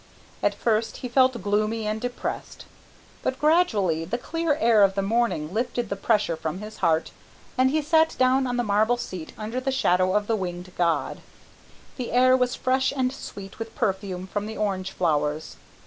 At first he felt gloomy and depressed, but gradually the clear air of the morning lifted the pressure from his heart, and he sat down on the marble seat under the shadow of the winged god. The air was fresh and sweet with perfume from the orange flowers.